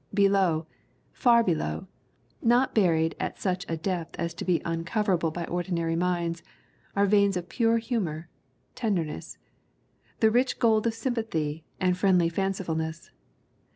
Below, far below, but not buried at such a depth as to be uncoverable by ordinary minds, are veins of pure humor, tenderness; the rich gold of sympathy and friendly fanci fulness.